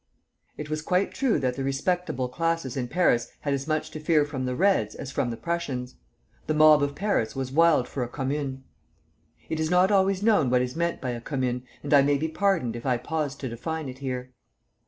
It was quite true that the respectable classes in Paris had as much to fear from the Reds as from the Prussians. The mob of Paris was wild for a commune. It is not always known what is meant by a commune, and I may be pardoned if I pause to define it here.